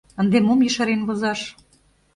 Ынде мом ешарен возаш?